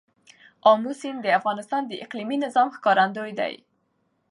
آمو سیند د افغانستان د اقلیمي نظام ښکارندوی دی.